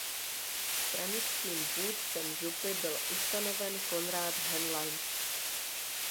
Stranickým vůdcem župy byl ustanoven Konrád Henlein.